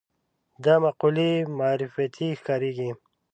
دا مقولې معرفتي ښکارېږي